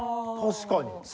確かに。